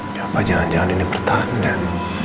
kenapa jangan jangan ini pertandaan